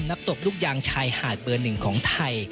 ตบลูกยางชายหาดเบอร์หนึ่งของไทย